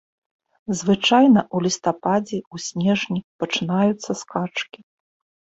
Звычайна ў лістападзе, у снежні пачынаюцца скачкі.